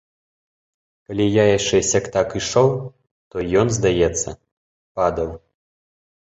Калі я яшчэ сяк-так ішоў, то ён, здаецца, падаў.